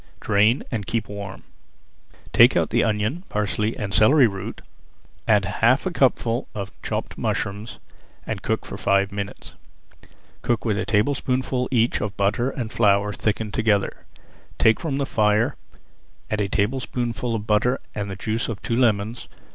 Drain and keep warm. Take out the onion, parsley and celery root, add half a cupful of chopped mushrooms, and cook for five minutes. Cook with a tablespoonful each of butter and flour thickened together, take from the fire, add a tablespoonful of butter and the juice of two lemons.